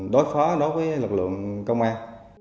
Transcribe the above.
đối phó đối với lực lượng công an